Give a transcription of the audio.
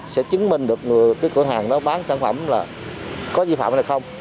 sẽ chứng minh được cửa hàng đó bán sản phẩm là có di phạm hay không